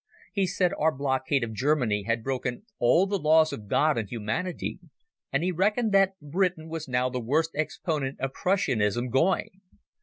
He said our blockade of Germany had broken all the laws of God and humanity, and he reckoned that Britain was now the worst exponent of Prussianism going.